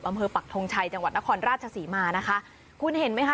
ปักทงชัยจังหวัดนครราชศรีมานะคะคุณเห็นไหมคะ